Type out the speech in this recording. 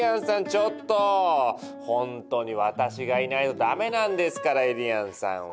本当に私がいないとダメなんですからゆりやんさんは。